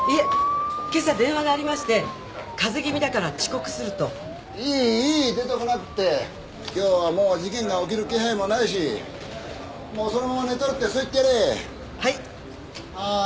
今朝電話がありましてカゼ気味だから遅刻するといいいい出てこなくって今日はもう事件が起きる気配もないしもうそのまま寝てろってそう言ってやれはいああ